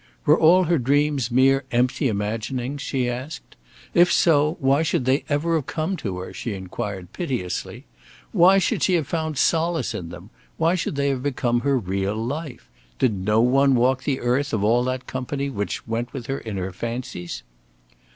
Were all her dreams mere empty imaginings? she asked. If so, why should they ever have come to her? she inquired piteously; why should she have found solace in them why should they have become her real life? Did no one walk the earth of all that company which went with her in her fancies?